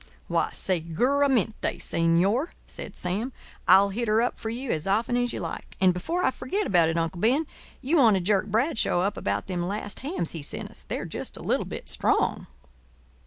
"Why, seguramente, señor," said Sam. "I'll hit her up for you as often as you like. And before I forget about it, Uncle Ben, you want to jerk Bradshaw up about them last hams he sent us. They're just a little bit strong."